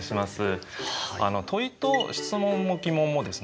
問いと質問も疑問もですね